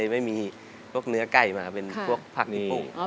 ก็เลยไม่มีพวกเนื้อไก่มาเป็นพวกผักที่ปลูก